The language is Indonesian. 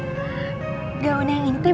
kau mau ngapain